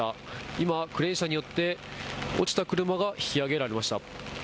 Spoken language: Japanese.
今、クレーン車によって落ちた車が引き上げられました。